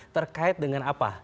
terkait dengan apa